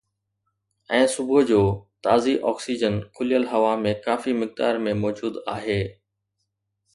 ۽ صبح جو، تازي آڪسيجن کليل هوا ۾ ڪافي مقدار ۾ موجود آهي